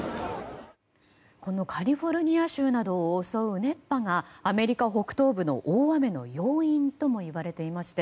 カリフォルニア州などを襲う熱波がアメリカ北東部の大雨の要因ともいわれていまして